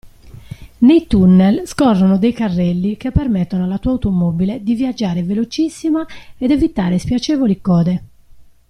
Nei tunnel scorrono dei carrelli che permettono alla tua automobile di viaggiare velocissima ed evitare spiacevoli code.